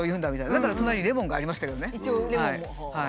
だから隣にレモンがありましたけどね。